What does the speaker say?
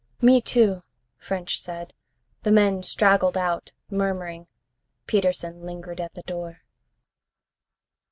"Me, too," French said. The men straggled out, murmuring. Peterson lingered at the door.